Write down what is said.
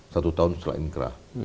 satu tahun setelah inkrah